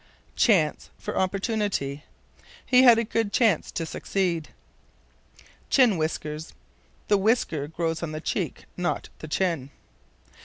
Chance for Opportunity. "He had a good chance to succeed." Chin Whiskers. The whisker grows on the cheek, not the chin.